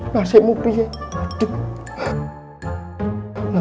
masih mau pilih